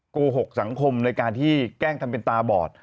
โกหกสังคมในการที่แกล้งทำเป็นตาบอด